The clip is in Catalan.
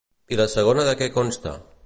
I la segona de què consta?